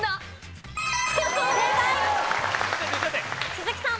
鈴木さん。